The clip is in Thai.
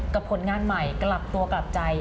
ผลงานใหม่กลับตัวกลับใจ